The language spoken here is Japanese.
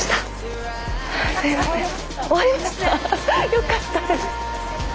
よかったです。